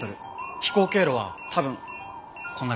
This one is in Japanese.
飛行経路は多分こんな感じ。